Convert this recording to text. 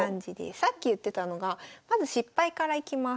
さっき言ってたのがまず失敗からいきます。